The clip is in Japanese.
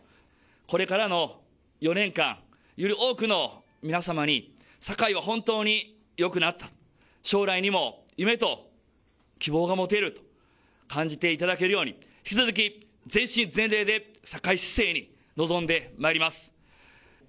これからの４年間、より多くの皆様に堺は本当によくなった、将来にも夢と希望が持てる、感じていただけるように引き続き全身全霊で堺市政に臨んでまいります。